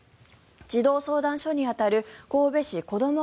児童相談所に当たる神戸市こども